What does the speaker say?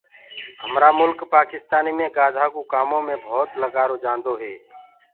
همرآ مُلڪ پاڪِستآنيٚ مي گآڌآ ڪو ڪآمو مي ڀوتَ لگآرو جآنٚدو هي